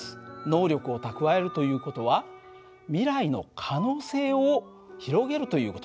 能力を蓄えるという事は未来の可能性を広げるという事なんですね。